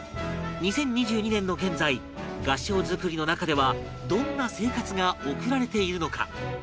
２０２２年の現在合掌造りの中ではどんな生活が送られているのか？